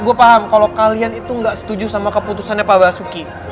gue paham kalau kalian itu nggak setuju sama keputusannya pak basuki